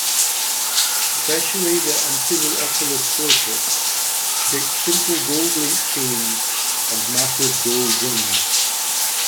Especially the Antinoopolis portraits depict simple gold link chains and massive gold rings.